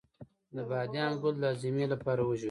د بادیان ګل د هاضمې لپاره وژويئ